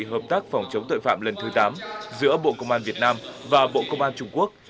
hợp tác phòng chống tội phạm lần thứ tám giữa bộ công an việt nam và bộ công an trung quốc